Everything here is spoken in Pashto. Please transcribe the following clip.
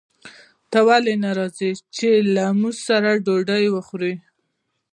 ته ولې نه راځې چې له موږ سره ډوډۍ وخورې